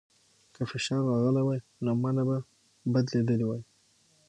که فشار راغلی وای، نو مانا به بدلېدلې وای.